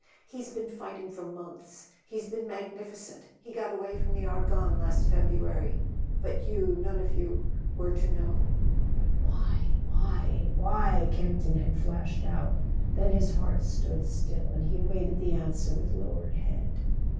He's been fighting for months; he's been magnificent; he got away from the Argonne last February; but you were none of you to know." "But why—why—why?" Camp ton had flashed out; then his heart stood still, and he awaited the answer with lowered head.